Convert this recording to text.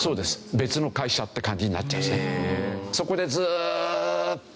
別の会社って感じになっちゃうんですね。